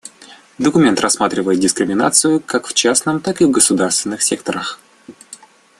Документ рассматривает дискриминацию как в частном, так и государственном секторах.